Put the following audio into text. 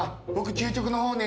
究極の方に。